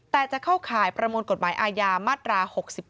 แต่จะเข้าข่ายประมวลกฎหมายอาญามาตรา๖๘